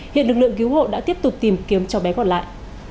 hiện lực lượng cứu hộ đã tiếp tục tìm kiếm cho bé còn lại